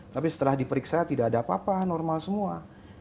tapi setelah diperiksa tidak ada apa apa normal semua